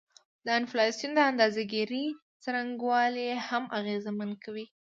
د انفلاسیون د اندازه ګيرۍ څرنګوالی هم اغیزمن کوي